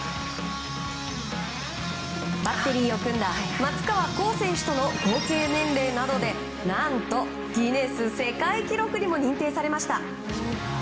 バッテリーを組んだ松川虎生選手との合計年齢などで何とギネス世界記録にも認定されました。